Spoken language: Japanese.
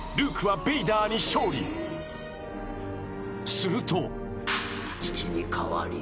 ［すると］